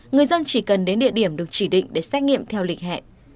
người dân chỉ cần đến địa điểm được chỉ định để xét nghiệm theo lịch hẹn